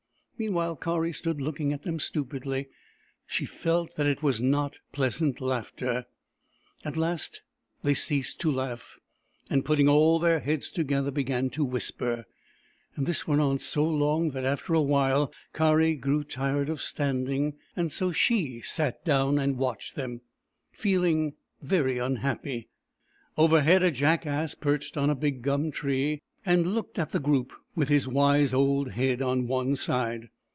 Mean while, Kari stood looking at them stupidly. She felt that it was not pleasant laughter. At last they ceased to laugh, and, putting all their heads together, began to whisper. This went on so long that after a while Kari grew tired of standing, and so she sat down and watched them, feeling very unhappy. Overhead a jackass perched on a big gum tree, and looked at the group, with his wise old head on one side.